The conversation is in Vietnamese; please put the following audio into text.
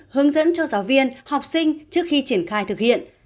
hướng dẫn cho giáo viên học sinh trước khi triển khai thực hiện